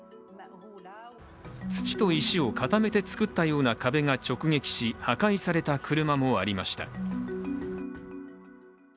土と石を固めて作ったような壁が直撃し破壊された車もありました。